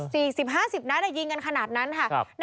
สี่สิบห้าสิบนะครับยิงกันขนาดนั้นมันแบบนี้ค่ะ